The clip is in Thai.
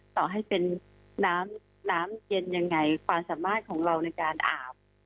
ต่อให้เป็นน้ำน้ำเย็นยังไงความสามารถของเราในการอาบ